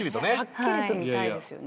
はっきりと見たいですよね。